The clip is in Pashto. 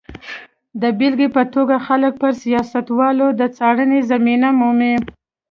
د بېلګې په توګه خلک پر سیاستوالو د څارنې زمینه مومي.